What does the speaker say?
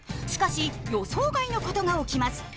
しかし予想外のことが起きます。